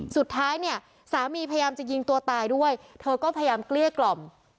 สุดท้ายเนี่ยสามีพยายามจะยิงตัวตายด้วยเธอก็พยายามเกลี้ยกล่อม